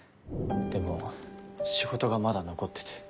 でも仕事がまだ残ってて。